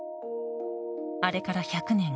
あれから１００年。